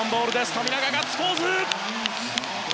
富永、ガッツポーズ！